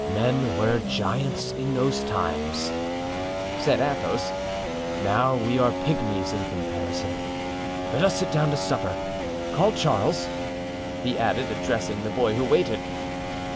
Men were giants in those times," said Athos; "now we are pigmies in comparison. Let us sit down to supper. Call Charles," he added, addressing the boy who waited.